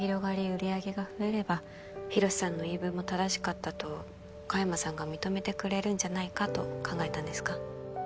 売り上げが増えれば洋さんの言い分も正しかったと香山さんが認めてくれるんじゃないかと考えたんですか？